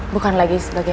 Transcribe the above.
bukan lagi sebagai